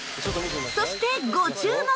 そしてご注目！